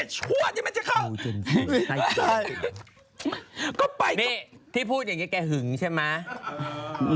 เชื่อก็เปลี่ยนส์ที่พูดจริงใช่ไหม